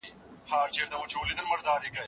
زده کړې نجونې د باور پر بنسټ ګډون زياتوي.